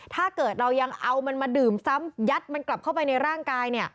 ถ้าเกิดเรายังเอามันมาดื่มซ้ำยัดมันกลับเข้าไปในร่างกาย